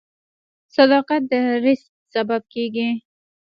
• صداقت د رزق سبب کیږي.